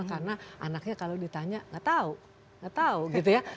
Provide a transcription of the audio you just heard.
karena anaknya kalau ditanya nggak tahu